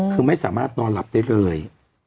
คือไม่สามารถนอนหลับได้เลย